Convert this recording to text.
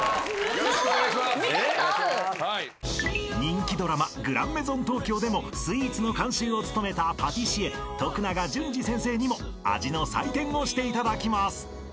［人気ドラマ『グランメゾン東京』でもスイーツの監修を務めたパティシエ永純司先生にも味の採点をしていただきます］